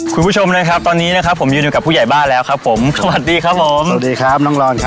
คุณผู้ชมตอนนี้ในการอยู่ที่ผู้ใหญ่บ้านตรงนี้แล้วครับ